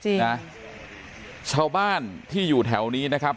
จริงนะชาวบ้านที่อยู่แถวนี้นะครับ